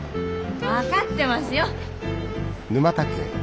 分かってますよ。